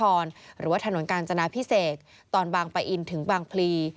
หรือว่าถนนกาญจนาพิเศษตอนบางปะอินถึงบางพลี